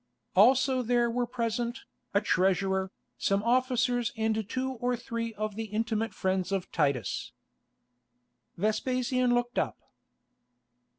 Also there were present, a treasurer, some officers and two or three of the intimate friends of Titus. Vespasian looked up.